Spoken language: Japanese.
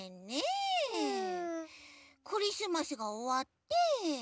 クリスマスがおわって。